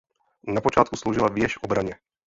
Na počátku sloužila věž obraně.